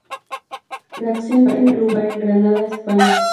La acción tiene lugar en Granada, España.